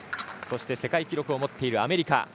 そして、世界記録を持っているアメリカ。